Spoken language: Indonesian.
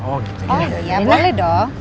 oh iya boleh dong